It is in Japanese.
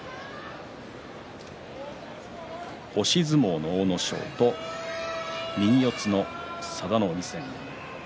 押し相撲の阿武咲と右四つの佐田の海。